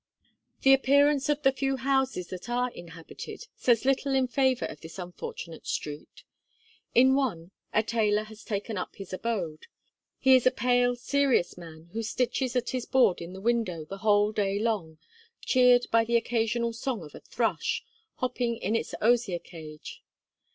The appearance of the few houses that are inhabited, says little in favour of this unfortunate street. In one, a tailor has taken up his abode. He is a pale, serious man, who stitches at his board in the window the whole day long, cheered by the occasional song of a thrush, hopping in its osier cage.